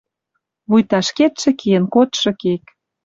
Вуйта ӹшкетшӹ киэн кодшы кек.